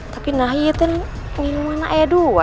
tapi nahi itu minumannya ada dua